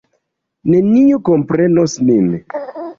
Neniu komprenos nin.